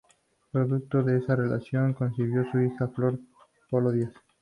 Producto de esa relación concibió a su hija Flor Polo Díaz.